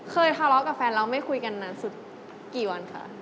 ทะเลาะกับแฟนแล้วไม่คุยกันนานสุดกี่วันค่ะ